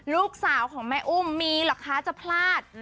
ลูกสาวของแม่อุ้มมีเหรอคะจะพลาด